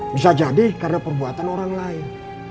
bisa jadi karena perbuatan orang lain